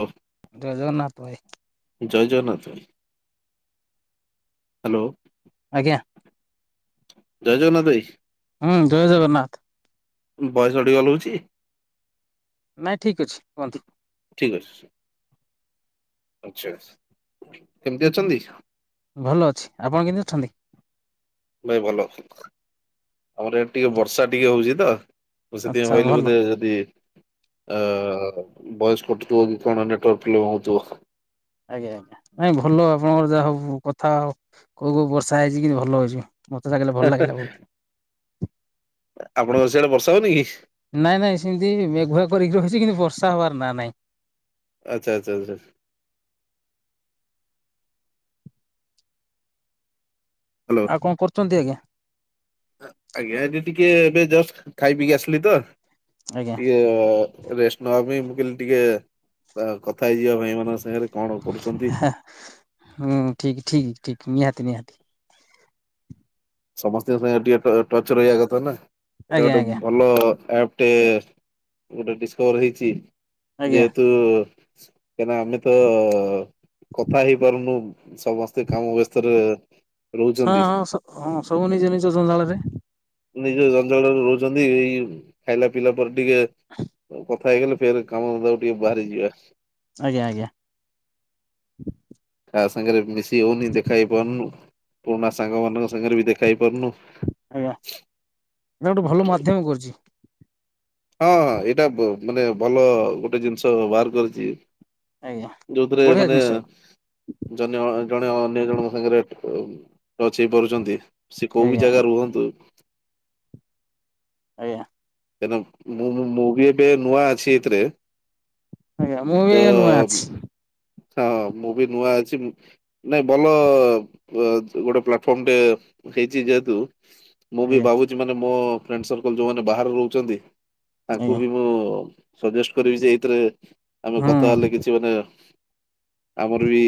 ହଫ। [inaudible] ଜୟେ ଜଗନ୍ନାଥ ଭାଇ। ଜୟ ଜଗନ୍ନାଥ ଭାଇ। ହାଲୋ। ଆଜ୍ଞା। ଜୟ ଜଗନ୍ନାଥ ଭାଇ। ହୁଁ ଜୟ ଜଗନ୍ନାଥ। ବୟସ ଟି ଆଲଉଛି। ନାଇଁ ଠିକ ଅଛି କୁହନ୍ତୁ। ଆଛା-ଛା କେମିତି ଅଛନ୍ତି? ଭଲ ଅଛି। ଆପଣ କେମିତି ଅଛନ୍ତି? ଭାଇ ଭଲ। ଆମର ଏ ଟିକେ ବର୍ଷା ଟିକେ ହଉଛି ତ ମୁ ସେଥିପାଇଁ ଆଚ୍ଛା ଭାବିଲି ଭଲ ବୋଧେ ଯଦି ଏଁ ବୋୟେସ୍ କଟୁ ଥିବ କି କଣ ନେଟୱର୍ ଫ୍ଲ ହଉିବ ଆଜ୍ଞା ଆଜ୍ଞା ନାଇଁ ଭଲ ଆପଣଙ୍କର ଯାହା ହଉ ସବୁ କଥା ଆଉ କୋଉ କୋଉ ବର୍ଷା ହେଇଛି କିନ୍ତୁ ଭଲ ହେଇଛି ମତେ ଜାଗିଲେ ଭଲ ଲାଗିଲା ବହୁତ। ଆପଣଙ୍କର ସେିଆଡ ବର୍ଷା ହଉନି କି ନାଇଁ ନାଇଁ ସେମିତି ମେଘୁଆ କରିକି ର ହେଛି କିନ୍ତୁ ବର୍ଷା ହବାର ନା ନାଇଁ। ଆଚ୍ଛା ଆଚ୍ଛା ଆଚଛାଛ ହ୍ୟାଲୋ। ଆଉ କଣ କରୁଛନ୍ତି ଆଜ୍ଞା। ଆଜ୍ଞା ଏଠି ଟିକେ ଏବେ ଜଷ୍ଟ ଖାଇ ପିଇକି ଆସିଲି ତ। ଆଜ୍ଞା ଟିକେ ରେଶମ ଭମ ମୁଁ କିଲି ଟିକେ କଥା ହେଇଯିବା ଭାଇ ମାନଙ୍କ ସାଙ୍ଗରେ କଣ କରୁଛନ୍ତି ହୁଁ ଠିକ ଠିକ ଠିକ ନିହାତି ନିହାତି। ସମସ୍ତଙ୍କ ସାଙ୍ଗେ ଟିକେ ଟଚ ରହିବା କଥା ନା ଏଇଟା ଆଜ୍ଞା ଗୋଟେ ଆଜ୍ଞା ଭଲ ଆପ୍ ଗୋଟେ ଗୋଟେ ଡିସକଭର ହେଇଛି ଆଜ୍ଞା ଯେହେତୁ। କାହିଁକିନା ଆମେ ତ କଥା ହେଇପାରୁନୁ ସମସ୍ତେ କାମ ବ୍ୟସ୍ତରେ ହଁ ରହୁଛନ୍ତି ହଁ ହଁ ସବୁ ନିଜ ନିଜ ଜଞ୍ଜାଳ ରେ ନିଜ ଅଞ୍ଚଳରେ ରହୁଛନ୍ତି ଏଇ ଖାଇଲା ପିଲା ପରେ ଟିକେ କଥା ହେଇଗଲେ ଫେର କାମ ଦ ଟିକେ ବାହାରିଯିବା ଆଜ୍ଞା ଆଜ୍ଞା। ତାା ସାଙ୍ଗରେ ମିଶି ହଉନି ଦେଖା ହେଇ ପାରୁନୁ ପୁରୁଣା ସାଙ୍ଗମାନାନଙ୍କ ସାଙ୍ଗରେ ବି ଦେଖା ହେଇ ପାରୁନୁ ଏଇଟା ଗୋଟେ ଭଲ ମାଧ୍ୟମ କରୁଛି ହଁ ଏଇଟା ମାନେ ଭଲ ଗୋଟେ ଜିନିଷ ବାହାର କରିଛି ଆଜ୍ଞା ଯୋଉଥିରେ ବଢିଆ ମାନେ ଜିନିଷ ଜନ୍ୟ। ଜଣେ ଅନ୍ୟ ଜଣଙ୍କ ସାଙ୍ଗରେ ପଛେଇ ପାରୁଛନ୍ତି। ସେ କୋଉ ବିି ଆଜ୍ଞା ଜାଗା ରୁହନ୍ତୁ। ଆଜ୍ଞା। କ ମୁଁ ମୁଁ ବି ଏବେ ନୂଆ ଅଛି ଏଥିରେ ଆଜ୍ଞା ମୁଁ ବି ତ ଆଜ୍ଞା ନୂଆ ଅଛି ହଁ ମୁଁ ବି ନୂଆ ଅ କିଛି ନାଇଁ ଭଲ ଗୋଟେ ପ୍ଲାଟଫର୍ମଟେ ହେଇଛି ଯେହେତୁ ମୁଁ ବି ଆଜ୍ଞା ଭାବୁଛି ମାନେ ମୋ ଫ୍ରେଣ୍ଡ ସକଲ ଯୋଉମାନେ ବାହ ରହୁଛନ୍ତି ତାଙ୍କୁ ଆଜ୍ଞା ବି ମୁଁ ସଜେଷ୍ଟ କରିବି ଯେ ଏଇଥିରେ ଆମେ ହୁଁ। କଥା ହେଲେ କିଛି ମାନେ ଆମର ବି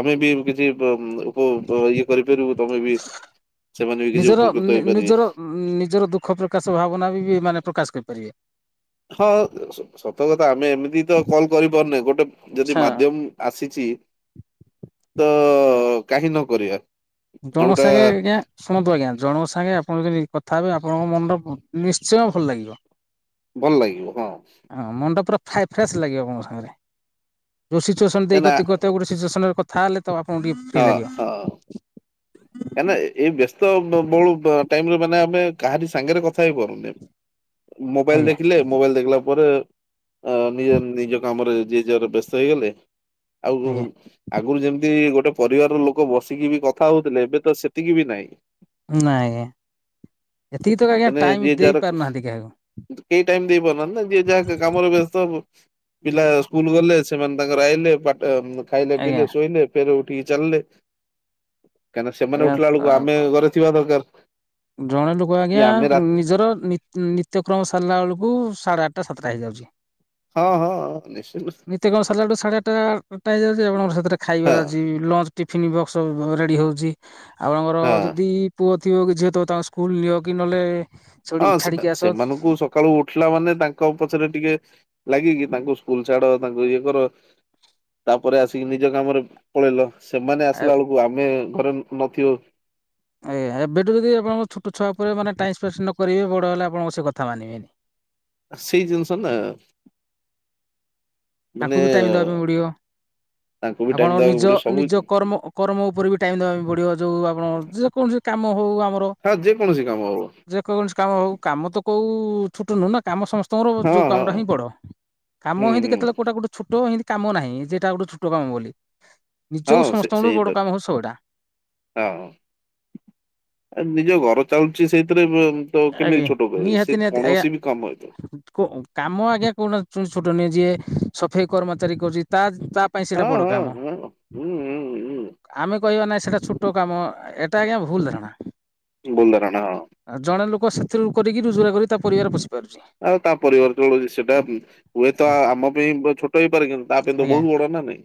ଆମେ ବି କିଛି ଉପ ଇଏ କରିପାରିବୁ ତମେ ବି ସେମାନେ ବି କିଛି ନିଜର ଉପକୃତ ହେଇପାରିବେ। ନିଜର ନିଜର ଦୁଃଖ ପ୍ରକାଶ ଭାବନା ବି ବି ମାନେ ପ୍ରକାଶ କରିପାରିବେ ହଁ ସତ କଥା ଆ ଆମେ ଏମିତି ତ କଲ୍ କରିପାରୁନେ, ଗୋଟେ ଯଦି ଆଚ୍ଛା। ମାଧ୍ୟମ ଆସିଛି ତ କାହିଁ ନ କରିବା। ଜଣଙ୍କ ଯୋଉଟା ସାଙ୍ଗେ ଆଜ୍ଞା ଶୁଣନ୍ତୁ ଆଜ୍ଞା ଜଣଙ୍କ ସାଙ୍ଗେ ଆପଣ ଯଦି କଥା ହେବେ ଆପଣଙ୍କ ମନ ତ ନିଶ୍ଚୟ ଭଲ ଲାଗିବ। ଭଲ ଲାଗିବ ହଁ। ଫା ଫ୍ରେଶସ୍ ଲାଗିବ ଆପଣଙ୍କ ସାଙ୍ଗରେ, ଯେଉଁ ସିଚୁଏସନ୍ ଦେଇ ଗତି ହଁ କରୁଥିବା ଗୋଟେ ସିଚୁଏସନରେ କଥା ହେଲେ ତ ଆପଣଙ୍କୁ ଟିକେ ଫ୍ରି ହଁ ଲାଗିବ। କାହିଁକିନା ଏ ବ୍ୟସ୍ତ ବହୁଳ ଟାଇମରେ ମାନେ ଆମେ କାହାରି ସାଙ୍ଗରେ କଥା ହେଇପାରୁନେ। ମୋବାଇଲ ଆଜ୍ଞା ଦେଖିଲେ ମୋବାଇଲ ଦେଖିଲା ପରେ ଅ ନିଜ ନିଜ କାମରେ ଯିଏ ଯୁଆଡେ ବ୍ୟସ୍ତ ହେଇଗଲେ ଆଜ୍ଞା। ଆଉ ଆଗରୁ ଯେମିତି ଗୋଟେ ପରିବାରର ଲୋକ ବସିକି, ବି କଥା ହଉଥିଲେ ଏବେ ତ ସେତିକି ବି ନାହିଁ। ନାଇଁ ଏତିକି ତ ଆଜ୍ଞା ମାନେ ଟାଇମ ଯିଏ ଯାହାର ଦେଇ ପାରୁନାହାନ୍ତି କାହାକୁ। କେହି ଟାଇମ ଦେଇ ପାରୁନାହାନ୍ତି ନା ଯିଏ ଯାହା କାମରେ ବ୍ୟସ୍ତ ହବ ପିଲା ସ୍କୁଲ ଗଲେ ସେମାନେ ତାଙ୍କର ଆଇଲେ ଖାଇଲେ ଆଜ୍ଞା ପିଇଲେ ଶୋଇଲେ ଫେର ଉଠ ଟିକେ ଚାଲିଲେ କାହିଁକିନା, ସେମାନେ ଉଠିଲା ବେଳକୁ ଆଜ୍ଞା ଆମେ ଘରେ ଥିବା ଦରକାର। ଜଣେ ଲୋକ କି ଆଜ୍ଞା ଆମେ ରା ନିଜର ନିତ୍ୟ ନିତ୍ୟକ୍ରମ ସାରିଲା ବେଳକୁ ସାଢେ ଆଠ ସାତଟା ହେଇଯାଉଛି। ହଁ ହଁ ନିଶ୍ଚିତ। ଟା ହେଇଯାଉଛି ଆପଣଙ୍କର ସେଥିରେ, ଖାଇବା ହଁ ଅଛି ଲଞ୍ଚ ଟିଫନ୍ ବକ୍ସ ରେଡି ହଉଛି। ଆଉ ଆମର ହଁ ଯଦି ପୁଅ ଥିବ କି ଝିଅ ଥିବ ତାଙ୍କୁ ସ୍କୁଲ ନିଅ କି ନହେଲେ ଛଡି ହଁ ସେ ଛାଡିକି ଆସ ସେମାନଙ୍କୁ ସକାଳୁ ଉଠିଲା ମାନେ ତାଙ୍କ ପଛରେ ଟିକେ ଲାଗିକି ତାଙ୍କୁ ସ୍କୁଲ ଛାଡ ତାଙ୍କୁ ଇଏ କର। ତାପରେ ଆସିକି ନିଜ କାମରେ ପଳେଇଲ। ସେମାନେ ଆସିଲା ବେଳକୁ ଆମେ ଘରେ ନ ନଥିବୁ। ଏ ଏବେଠୁ ଯଦି ଆପଣଙ୍କ ଛୋଟ ଛୁଆ ଉପରେ ମାନେ ଟାଇମ୍ ସ୍ପେସ ନ କରିବେ ବଡ଼ ହେଲେ ଆପଣଙ୍କ ସେ କଥା ମାନିବେନି। ସେଇ ଜିନିଷ ନା ମାନେ ତାକୁ ବି ଟାଇମ ଦବା ପାଇଁ ପଡିବ ତାଙ୍କୁ ବି ଟାଇମ ଆପଣଙ୍କ ଦବାକୁ ନିଜ ପଡିବ ସବୁ ନିଜ କର୍ମ କର୍ମ ଉପରେ ବି ଟାଇମ ଦେବା ପାଇଁ ପଡ଼ିବ ଯଉ ଆପଣ ଯେକୌଣସି କାମ ହଉ ଆମର। ହଁ ଯେକୌଣସି କାମ ହବ ଯେ କୌଣସି କାମ ହଉ କାମ ତ କୋଉ କୁ ଛୋଟ ନୁହଁ ନା କାମ ସମସ୍ତଙ୍କର ହଁ ଯୋଉ ହଁ କାମଟା ହିଁ ବଡ, କାମ ହୁଁ ହେନ୍ତି ହୁଁ କେତେବେଳେ କୋଉଟା ଗୋଟେ ଛୋଟ ଏମତି କାମ ନାହିଁ, ଯେ ଏଇଟା ଗୋଟେ ଛୋଟ କାମ ବୋଲି। ହଁ ନିଜକୁ ସେ ସମସ୍ତଙ୍କର ସେଇତ ବଡ କାମ [unintelligible] ହଁ। ଆ ନିଜ ଘର ଚାଲୁଛି ସେଇଥିରେ ବ ତ କେମିତି ଆଜ୍ଞା ଛୋଟ କହିବ, ନିହାତି ସେ ନିହାତି ଆଜ୍ଞା କୌଣସି ବି କାମ ହେଇଥାଉ। କୋ କାମ ଆଜ୍ଞା କୋଉଟା ଛୋଟ ନୁହେଁ ଯିଏ ସଫେଇ କର୍ମଚାରୀ କରୁଚି ତା ତା ପାଇଁ ସେଇଟା ହଁ ବଡ ହଁ କାମ ହଁ ହୁଁ ହୁଁ ହୁଁ ଆମେ କହିବା ନାଇ ସେଇଟା ଛୋଟ କାମ ଏ ଏଟା ଆଜ୍ଞା ଭୁଲ୍ ଧରଣା। ଭୁଲ୍ ଧାରଣା ହଁ। ସେଥିରୁ କରିକି ରୋଜଗାର କରି ତା ପରିବାର ପୋଷ ଆଉ ତା ପରିବାର ଚଳଉଛି ସେଇଟା ହୁଏତ ଆଜ୍ଞା ଆ ଆମ ପାଇଁ ଛୋଟ ହେଇପାରେ କିନ୍ତୁ ତା ପାଇଁ ତ ଆଜ୍ଞା। ବହୁତ ବଡ। ନା ନାଇଁ।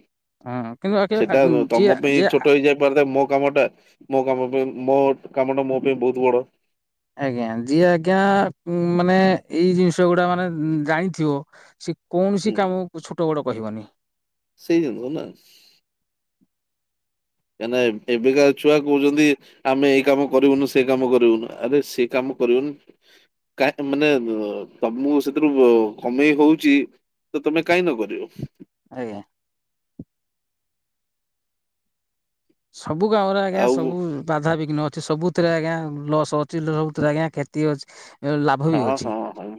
ହଁ କିନ୍ତୁ ଆଜ୍ଞା, ସେଟା ଯିଏ ତମ ପାଇଁ ଯିଏ ଛୋଟ ହେଇ ଯାଇପାରି ଥାଏ, ମୋ କାମଟା ମୋ କାମ ପାଇଁ ମୋ ମୋ କାମଟା ମୋ ପାଇଁ ବହୁତ ବଡ। ଆଜ୍ଞା ଯିଏ ଆଜ୍ଞା ମାନେ ଏଇ ଜିନିଷ ଗୁଡା ମାନେ ଜାଣିଥିବ ସେ କୌଣସି ହୁଁ। କାମ ଛୋଟ ବଡ କହିବନି। ସେଇ [unintelligible] ନା କାହିଁକି ଏବେକା ଛୁଆ କହୁଛନ୍ତି। ଆମେ ଏଇ କାମ କରିବୁନୁ ସେ କାମ କରିବୁନୁ। ଆରେ ସେ କାମ କରିବନି କାହାକୁ ମାନେ ତମୁକୁ ସେଥିରୁ କମେଇ ହଉଚି ତ ତମେ କାଇଁ ନ କରିବ। ଆଜ୍ଞା। ସବୁ ଗାଁରେ ଆଜ୍ଞା ଆଉ ସବୁ ବାଧାବିଘ୍ନ ସବୁଥିରେ ଆଜ୍ଞା ଲସ୍ ଅଛି। ସବୁଥିରେ ଆଜ୍ଞା କ୍ଷତି ଅଛି। ହାର ଲାଭ ବି ହଁ ଅଛି। ହଁ ହଁ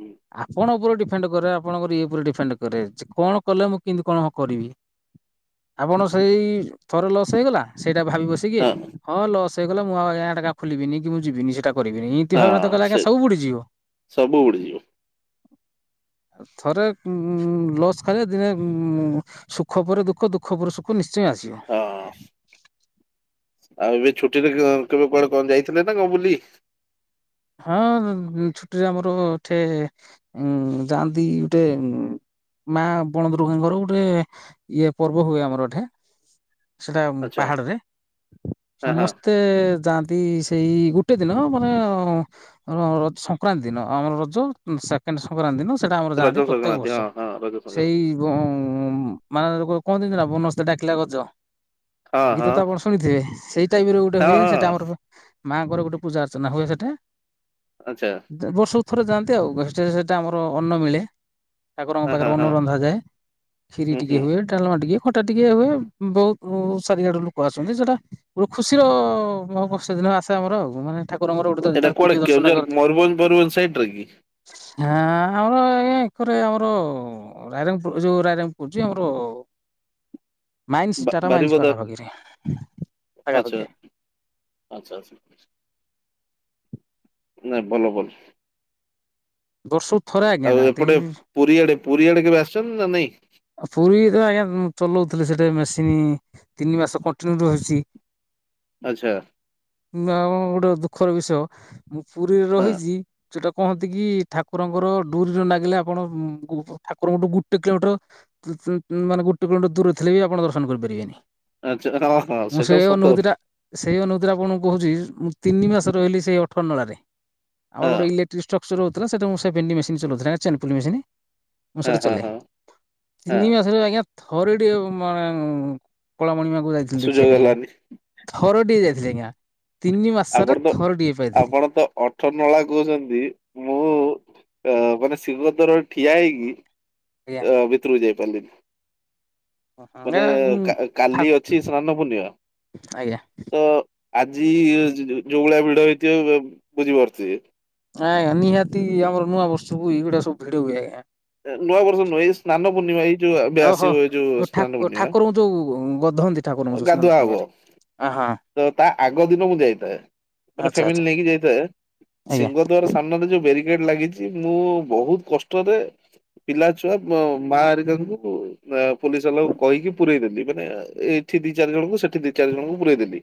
ଆପଣ ଉପରେ ଡିଫେଣ୍ଡ କରେ ଆପଣଙ୍କର ଇଏ ଉପରେ ଡିଫେଣ୍ଡ କରେ ଯେ କଣ କଲେ ମୁଁ କେମିତି କଣ ହଁ କରିବି। ଆପଣ ସେଇ ଥରେ ଲସ୍ ହେଇଗଲା ସେଇଟା ଭାବି ବସିକି ହଁ ଲସ୍ ହେଇଗଲା ମୁଁ ଆଉ ଖୋଲିବିନି କି ମୁଁ ଯିବିନି। ସେଇଟା କରିବିନି ଏମତି ଭାବ ତ ହଁ କଲେ ଆଜ୍ଞା ସେ ସବୁ ବୁଡି ଯିବ। ସବୁ ଉଡିଯିବ [inaudible] ଥରେ ଲସ୍ ଖାଲେ ଦିନେ ସୁଖ ପରେ ଦୁଃଖ ଦୁଃଖ ପରେ ସୁଖ ନିଶ ସେ ଆସିବ। ହଁ ଆଉ ଏବେ ଛୁଟିରେ କେବେ କୁଆଡେ କଣ ଯାଇଥିଲେ ନା କଣ ବୁଲି। ହଁ ଛୁଟିରେ ଆମର ଏଠେ ଉ ଯାଆନ୍ତି ଗୋଟେ ମା ବଣଦୁର୍ଗାଙ୍କର ଗୋଟେ ଇଏ ପର୍ବ ହୁଏ ଆମର ଏଠେ। ସେଟା ଆଚ୍ଛା ପାହାଡରେ ହଁ ହଁ ସମସ୍ତେ ଯାଆନ୍ତି ସେଇ ଗୋଟେ ଦିନ ମାନେ ର ସଂକ୍ରାନ୍ତି ଦିନ ଆମର ରଜ ସେକେଣ୍ଡ ସଂକ୍ରାନ୍ତି ଦିନ। ସେଟା ଆମର ରଜ ଯାଆନ୍ତି ପ୍ରତ୍ୟେକ ସଂକ୍ରାନ୍ତି ବର୍ଷ ହଁ ହଁ ରଜ ସେଇ ସଂକ୍ରାନ୍ତି ମାନେ କଣ ଦ ନା ବୋନସ୍ତେ ଡାକିଲା ଗଜ। ହଁ ଗୀତ ହଁ ତ ଆପଣ ଶୁଣିଥିବେ। ସେଇ ଟାଇମ୍ ରେ ଗୋଟେ ହଁ ହୁଏ। ସେଇଟା ହଁ ଆମର ମାଙ୍କର ଗୋଟେ ପୂଜା ଅର୍ଚ୍ଚନା ହୁଏ। ସେଠେ ଆଚ୍ଛା ବର୍ଷ ଥରେ ଯାଆନ୍ତି ଆଉ ସେଇଟା ଆମର ଅନ୍ନ ମିଳେ। ଠାକୁରଙ୍କ ହଁ ପାଖରେ ହଁ ଅନ୍ନ ହଁ ରନ୍ଧା ଯାଏ, କ୍ଷୀରି ହୁଁ ଟିକେ ହୁଁ ହୁଏ, ଡାଲମା ଟିକେ। ଖଟା ଟିକେ ହୁଏ, ବହୁତ ସାରିଆଡେ ଲୋକ ଆସନ୍ତି ସେଟା ଗୋଟେ ଖୁସିର ଆସେ ଆମର ଆଉ ମାନେ ଠାକୁର ଆମର ଗୋଟେ ଦିବ୍ୟ ଦର୍ଶନ କେଉଁଝର୍ କରନ୍ତି। ମୟରୁଭଞ୍ଜ ମୟରୁଭଞ୍ଜ ସାଇଡ ରେ କି? ହଁ ଆମର [unintelligible] ଆମର ରାଇରଙ୍ଗପୁର ଯୋଉ ରାଇରଙ୍ଗପୁର ଯେ ଆମର ନା ମାଇନ୍ସ ଟାଟା ମାଇନ୍ସ ପାଖାପାଖିରେ ଆଚ୍ଛା ପାଖାପାଖି। ଆଚ୍ଛା ଆଚ୍ଛା ନାଁ ବୋଲ ବୋଲ। ବର୍ଷକୁ ଥରେ ଆଜ୍ଞା ଆଉ ଯାଆନ୍ତି ଏପଟେ ପୁରୀଆଡେ ପୁରୀଆଡେ କେବେ ଆସିଛନ୍ତି ନା ନାଇଁ? ଆଉ ପୁରୀ ତ ଆଜ୍ଞା ଚଲଉଥିଲି ସେଠି ମେ ତିନି ମାସ କଣ୍ଟିନ୍ୟୁ ରହିଛି। ଆଚ୍ଛା ନା ମ ଗୋଟେ ଦୁ ଦୁଃଖର ବିଷୟ ମୁଁ ପୁରୀରେ ହଁ ରହିଛି, ଯୋଉଟା କୁହନ୍ତି କି ଠାକୁରଙ୍କର ଡୁରିରେ ନ ନାଗିଲେ ଆପଣ କଣ ଠାକୁରଙ୍କଠୁ ଗୋଟେ କିଲୋମିଟର ମାନେ ଗୋଟେ କିଲୋମିଟର ଦୂର ଥିଲେ, ବି ଆପଣ ଦର୍ଶନ କରିପାରିବେନି। ଆଚ୍ଛା ହଁ ହଁ ମୁଁ ସେଟା ସେଇ ସତ ଅନୁଭୂତି କଥା ଟା ସେଇ ଅନୁଭୂତି ଟା କଣ କହୁଛି? ମୁଁ ତିନି ମାସ ରହିଲି ସେଇ ଅଠର ନଳାରେ। ଆମର ହଁ ଗୋଟେ ଇଲେକ୍ଟ୍ରିକ ଷ୍ଟକ୍ରଚର ସେଟା ମୁ [unintelligible] ମେସିନ୍ ଚଉଥିଲି ଆଜ୍ଞା ଚେନ୍ପୁଲି ମୁଁ ସେଇଟା ହଁ ହଁ ଚଲାଏ। ହଁ। ହଁ ତିନି ମାସରେ ଆଜ୍ଞା ଥରେ ଟିକେ ମାନେ କଳାମଣିମା ଯାଇଥିଲି ଦେଖିବା ସୁଯୋଗ ପାଇଁ ହେଲାନି ଥରଟିଏ ଯାଇଥିଲି ଆଜ୍ଞା ତିନି ମାସରେ ଆପଣ ତ ଥରଟିଏ ପାଇଥିଲି ଆପଣ ତ ଅଠର ନଳା କହୁଛନ୍ତି ମୁଁ ଅ ମାନେ ସିଂହଦୁରାର ଠିଆ ହେଇକି ଆଜ୍ଞା। ଭିତରକୁ ଯାଇ ପାରିଲିନି। ଆଜ୍ଞା ମାନେ ଠା କାଲି ଅଛି ସ୍ନାନ ପୂର୍ଣ୍ଣିମା ଆଜ୍ଞା ତ ଆଜି ଯଉଭଳିଆ ଭିଡ ହେଇଥିବ ବୁଝିପାରୁଥିବେ। ହଁ ଆଜ୍ଞା ନିହାତି, ଆମର ନୂଆ ବର୍ଷକୁ ଏଇଗୁଡା ସବୁ ଭିଡ ହୁଏ ଆଜ୍ଞା। ନୂଆ ବର୍ଷ ନୁହଁ ଏଇ ସ୍ନାନ ପୂର୍ଣ୍ଣିମା ଏଇ ଯୋଉ ଏବେ ଓହୋ। ଆସିବ ଏଇ ଯୋଉ ଓ ସ୍ନାନ ଠାକୁ ଠାକୁରଙ୍କୁ ଯୋଉ ଗଧନ୍ତି ପୂର୍ଣ୍ଣିମା ଠାକୁରଙ୍କୁ ଯୋଉ ସ୍ନାନ ଗାଧୁଆ ହବ। ପୂର୍ଣ୍ଣିମାରେ ଆହା ତ ତା ଆଗ ଦିନ ମୁଁ ଯାଇଥାଏ, ମାନେ ଆଚ୍ଛା ଆଚ୍ଛା। ଫ୍ୟାମିଲି ନେଇକି ଯାଇଥାଏ ଆଜ୍ଞା ସିଂହ ଦ୍ୱାର ସାମ୍ନାରେ ଯୋଉ ବ୍ୟାରିକେଡ ଲାଗିଛି ମୁଁ ବହୁତ କଷ୍ଟରେ ପିଲା ଛୁଆ ମା ହେରିକାଙ୍କୁ ପୋଲିସ ବାଲାଙ୍କୁ କହିକି ପୁରଇ ଦେଲି ମାନେ ଏଇଠି ଦି ଚାରି ଜଣଙ୍କୁ ସେଠି ଦି ଚାରି ଜଣଙ୍କୁ ପୁରଇଦେଲି।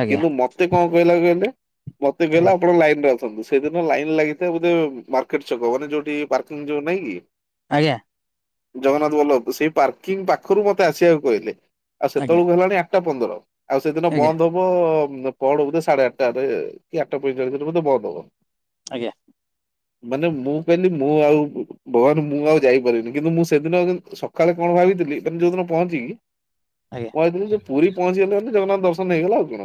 ଆଜ୍ଞା କିନ୍ତୁ ମତେ କଣ କହିଲା କହିଲେ, ମତେ କହିଲା ଆଜ୍ଞା ଆପଣ ଲାଇନରେ ଆ ସେଇଦିନ ଲାଇନ ଲାଗିଥାଏ ବୋଧେ ମାର୍କେଟ ଛକ ମାନେ ଯୋଉଠି ପାର୍କିଂ ଯୋଉ ନାହିଁ କି? ଆଜ୍ଞା। ଜଗନ୍ନାଥ ବଲ୍ଲଭ ସେଇ ପାର୍କିଂ ପାଖରୁ ମତେ ଆସିବାକୁ କହିଲେ, ଆଉ ଆଜ୍ଞା ସେତେବେଳକୁ ହେଲାଣି ଆଠଟା ପନ୍ଦର ଆଉ ସେଦିନ ଆଜ୍ଞା ବନ୍ଦ ହବ ପହଢ ବୋଧେ ସାଢେ ଆଠଟାରେ କି ଆଠଟା ପଇଁଚାଳିଶ ଭିତରେ ବୋଧେ ବନ୍ଦ ହବ। ଆଜ୍ଞା। ମାନେ ମୁଁ କହିଲି ମୁଁ ଆଉ ଭଗବାନ ମୁଁ ଆଉ ଯାଇପାରିବିନି କିନ୍ତୁ ମୁଁ ସେଦିନ ସକାଳେ କଣ ଭାବିଥିଲି ମାନେ ଯୋଉଦିନ ପହଞ୍ଚିକି ଆଜ୍ଞା କହିଥିଲି ଯେ ପୁରୀ ପହଞ୍ଚିଗଲେ ଜଗନ୍ନାଥ ଦର୍ଶନ ହେଇଗଲା ଆଉ କଣ?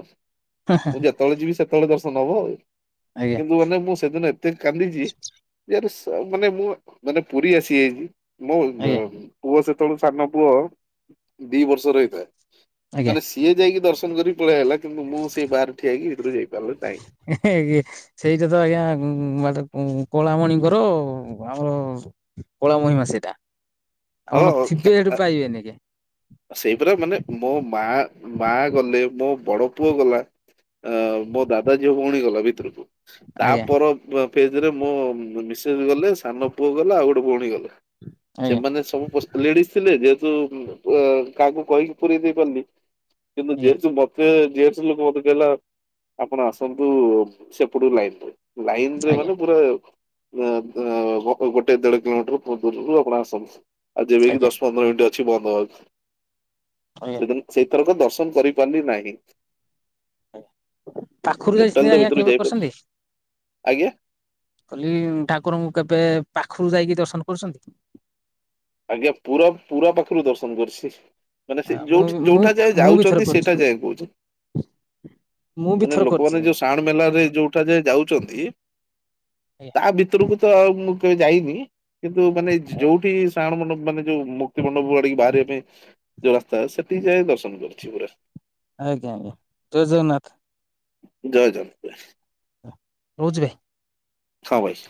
ମୁଁ ଯେତେବେଳେ ଯିବି, ସେତେବେଳେ ଦର୍ଶନ ହବ ଆଉ। କିନ୍ତୁ ମାନେ ମୁଁ ସେଦିନ ଏତେ କାନ୍ଦିଛି, ମାନେ ମୁଁ ମାନେ ପୁରୀ ଆସିଯାଇଛି, ମୋ ଆଜ୍ଞା। ପୁଅ ସ ସାନ ପୁଅ ଦି ବର୍ଷ ହେଇ, ଆଜ୍ଞା ଆଜ୍ଞା ମାନେ ସିଏ ଯାଇକି ଦର୍ଶ ନ କରି ପଳେଇ ଆଇଲା, କିନ୍ତୁ ମୁଁ ସେଇ ବାହାରେ ଠଆ ହେଇକି ଭିତରକୁ ଯାଇପାରିଲି ନାହିଁ। ସେଇଟା ତ ଆଜ୍ଞା [unintelligible] କଳାମଣିଙ୍କର ଆମର କଳାମହିମା ସେଇଟା। ହଁ ଆପଣ ଥିବେ ହଁ ସେଠୁ ପାଇବେନି ଆଜ୍ଞା ସେଇପରା ମାନେ ମୋ ମା ମା ଗଲେ, ମୋ ବଡ ପୁଅ ଗଲା, ଅ ମୋ ଦାଦା ଝିଅ ଭଉଣୀ ଗଲା ଭିତରକୁ। ଆଜ୍ଞା ତାପର ଫେ ଫେଜରେ ମୋ ମିସେସ ଗଲେ ସାନ ପୁଅ ଗଲା ଆଉ ଗୋଟେ ଭଉଣୀ ଗଲେ। ଆଜ୍ଞା। ଲେଡିଜ ଥିଲେ ଯେହେତୁ ଉ କାହାକୁ କହିକି ପୁରେଇ ଦେଇ ପାରିଲି। କିନ୍ତୁ ଆଜ୍ଞା ଯେହେତୁ ମତେ ଯେହତୁ ଲୋକ ମତେ କହିଲା ଆପଣ ଆସନ୍ତୁ ସେପଟୁ ଲାଇନ ଲାଇନ ରେ ଆଜ୍ଞା। ମାନେ ପୁରା ଉଁ ଉଁ ଗୋଟେ ଦେଢ କିଲୋମିଟର ଦୂରରୁ ଆପଣ ଆସନ୍ତୁ, ଆଉ ଯେବେକି ଆଜ୍ଞା ଦଶ ପନ୍ଦର ମିନିଟ ଆଜ୍ଞା ଅ [unintelligible] ସେଇ ଥରକ ଦର୍ଶନ କରିପାରିଲି ନାହିଁ। ପାଖରୁ ଟୋଟାଲ ଯାଇଚନ୍ତି ତ ଆଜ୍ଞା ଭିତରୁ କେବେ ଯାଇପାରୁଛି କରିଚନ୍ତି? ଆଜ୍ଞା। କଲି ଠାକୁରଙ୍କୁ କେବେ ପାଖରୁ ଯାଇକି ଦର୍ଶନ କରଚନ୍ତି? ଆଜ୍ଞା ପୁରା ପୁରା ପାଖରୁ ଦର୍ଶନ କରିଛି। ମାନେ ସେ ଯୋଉ ମୁଁ ମୁଁ ଯୋଉଠା ଯାଏ ମୁଁ ବି ଥରେ ଯାଉଚନ୍ତି କରିଛି ସେଇଠା ଯାଏ କହୁଚ ମୁଁ ବି ମାନେ ଥରେ କରିଛି ଲୋକମାନେ ଯୋଉ ଆଜ୍ଞା। ଶାଆଣ ମେଲାରେ ଯୋଉଠା ଯାଏ ଯାଉଛନ୍ତି। ତା ଭିତରକୁ ତ ଆଉ ମୁଁ କେବେ ଯାଇନି କିନ୍ତୁ ମାନେ ଯ- ଆଜ୍ଞା ଯୋଉଠି ନାରାୟଣ ମଣ୍ଡପ ମାନେ ଯୋଉ ମୁକ୍ତି ମଣ୍ଡପ ଆଡିକି ବାହାରିବା ପାଇଁ ଯୋଉ ରାସ୍ତା ସେଠିକି ଯାଇ ଦର୍ଶନ କରିଛି ପୁରା। ଆଜ୍ଞା ଆଜ୍ଞା ଜୟ ଜଗନ୍ନାଥ। ଜୟ ଜନ୍ ଭାଇ। ରହୁଛି ଭାଇ। ହଁ ଭାଇ।